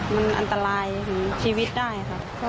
มันอันตรายถึงชีวิตได้ค่ะ